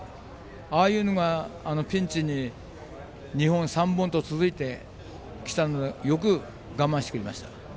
ああいうのがピンチに２本、３本と続いてきたのによく我慢してくれました。